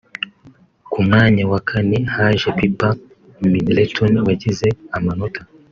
Ku mwanya wa kane haje Pipa Middleton wagize amanota